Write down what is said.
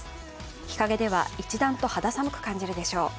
日陰では一段と肌寒く感じるでしょう。